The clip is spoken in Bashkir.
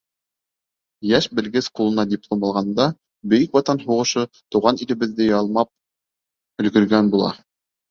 Йәш белгес ҡулына диплом алғанда, Бөйөк Ватан һуғышы тыуған илебеҙҙе ялмап өлгөргән була.